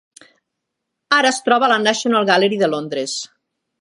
Ara es troba a la National Gallery de Londres.